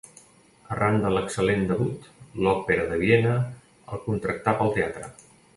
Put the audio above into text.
Arran de l'excel·lent debut, l’Òpera de Viena el contractà pel teatre.